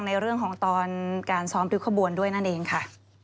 ในเรื่องของตอนการซ้อมริ้วขบวนด้วยนั่นเองค่ะ